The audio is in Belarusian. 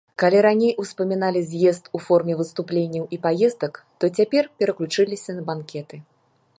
Калі раней успаміналі з'езд у форме выступленняў і паездак, то цяпер пераключыліся на банкеты.